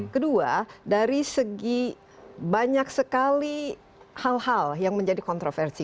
kedua dari segi banyak sekali hal hal yang menjadi kontroversi